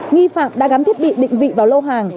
nghi phạm đã gắn thiết bị định vị vào lô hàng